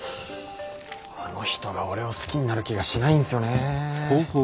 あの人が俺を好きになる気がしないんすよね。